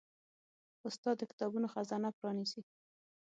استاد د کتابونو خزانه پرانیزي.